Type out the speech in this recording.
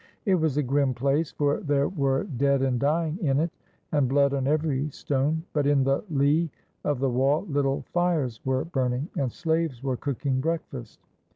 It was a grim place, for there were 104 THE LEMNIAN: A STORY OF THERMOPYL^ dead and dying in it, and blood on every stone. But in the lee of the wall little fires were burning, and slaves were cooking breakfast.